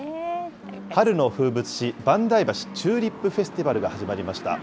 春の風物詩、萬代橋チューリップフェスティバルが始まりました。